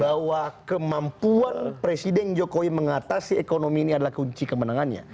bahwa kemampuan presiden jokowi mengatasi ekonomi ini adalah kunci kemenangannya